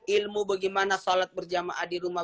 ilmu bagaimana sholat berjamaah di rumah